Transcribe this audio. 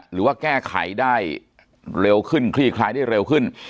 หรือว่าแก้ไขได้เร็วขึ้นคลี่คลายได้เร็วขึ้น